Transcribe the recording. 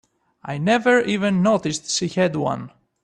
I never even noticed she had one.